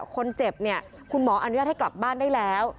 คนเจ็บเนี่ยคุณหมออนุญาตให้กลับบ้านได้แล้ว